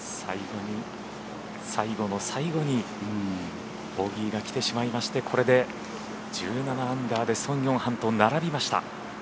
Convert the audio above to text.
最後の最後にボギーが来てしまいましてこれで１７アンダーでソン・ヨンハンと並びました。